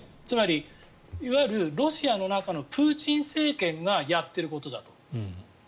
つまり、いわゆるロシアの中のプーチン政権がやっていることだと。